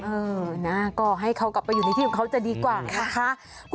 เออนะก็ให้เขากลับไปอยู่ในที่ของเขาจะดีกว่านะคะ